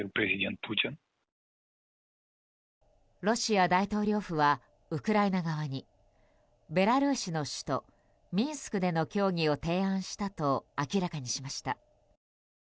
ロシア大統領府はウクライナ側にベラルーシの首都ミンスクでの協議を提案したと明らかにしました。